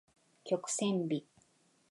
曲線美